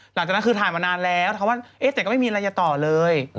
หลังจากนั้นคือถ่ายมานานแล้วถามว่าเอ๊ะแต่ก็ไม่มีอะไรจะต่อเลย